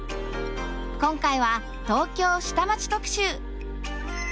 今回は東京下町特集！